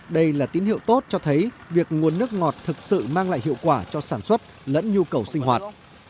đây là tín hiệu tốt cho thấy việc nguồn nước ngọt thực sự mang lại hiệu quả cho sản xuất lẫn nhu cầu sinh hoạt